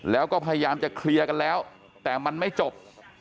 แล้วก็พยายามจะเคลียร์กันแล้วแต่มันไม่จบ